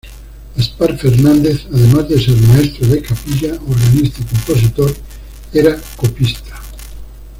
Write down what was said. Gaspar Fernández, además de ser maestro de capilla, organista y compositor, era copista.